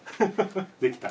できた。